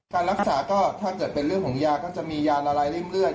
การรักษาก็ถ้าเกิดเป็นเรื่องของยาก็จะมียานอะไรริ่มเลือด